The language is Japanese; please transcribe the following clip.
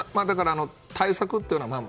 対策というのか